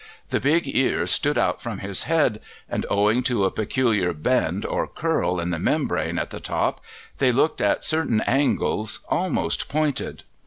The big ears stood out from his head, and owing to a peculiar bend or curl in the membrane at the top they looked at certain angles almost pointed.